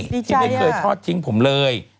ที่ไม่เคยทอดทิ้งผมเลย